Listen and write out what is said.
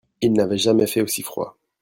Il n'avait jamais fait aussi froid.